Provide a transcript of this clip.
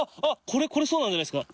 これそうなんじゃないですか？